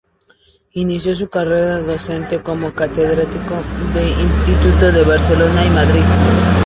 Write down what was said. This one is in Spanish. Inició su carrera docente como catedrático de instituto en Barcelona y Madrid.